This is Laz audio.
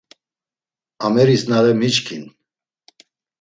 Ameris na re miçkin!